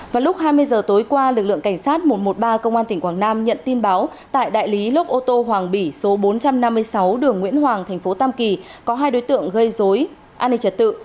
vào lúc hai mươi giờ tối qua lực lượng cảnh sát một trăm một mươi ba công an tỉnh quảng nam nhận tin báo tại đại lý lốc ô tô hoàng bỉ số bốn trăm năm mươi sáu đường nguyễn hoàng thành phố tam kỳ có hai đối tượng gây dối an ninh trật tự